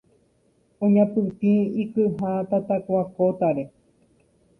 Oñapytĩ ikyha tatakua kótare